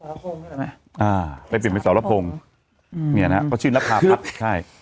ผ่านไปเปลี่ยนไปสระโพงนู้นเงียดฮะก็ชื่อนัคภาพครับใช่